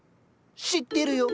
知ってるよ。